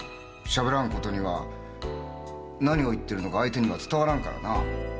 しゃべらんことには何を言ってるのか相手には伝わらんからな。